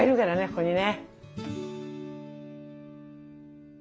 ここにね。